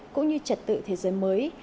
cũng như trật tự thế giới mới